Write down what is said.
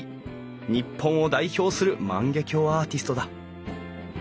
日本を代表する万華鏡アーティストだ。